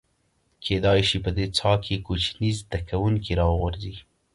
کېدای شي په دې څاه کې کوچني زده کوونکي راوغورځي.